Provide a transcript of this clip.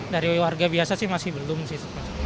dari warga biasa sih masih belum sih